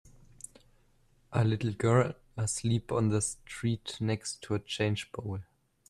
A little girl asleep on the street next to a change bowl.